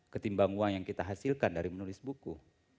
ketimbang uang yang kita hasilkan dari menulis buku